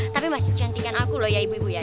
tapi masih kecantikan aku loh ya ibu ibu ya